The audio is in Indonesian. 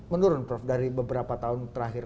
menurun prof dari beberapa tahun terakhir